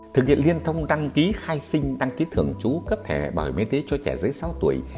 thực hiện liên thông đăng ký khai sinh đăng ký thường trú cấp thẻ bảo hiểm y tế cho trẻ dưới sáu tuổi